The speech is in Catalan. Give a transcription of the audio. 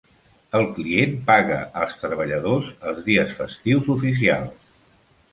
El client paga als treballadors els dies festius oficials.